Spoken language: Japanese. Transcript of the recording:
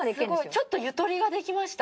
ちょっとゆとりができました。